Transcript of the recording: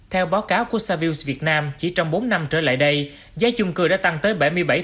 theo báo cáo của savills việt nam chỉ trong bốn năm trở lại đây giá chung cư đã tăng tới bảy mươi bảy